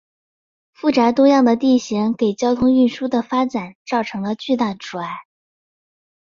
复杂多样的地形给交通运输的发展造成了巨大阻碍。